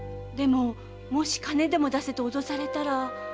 でももし金を出せと脅されたら。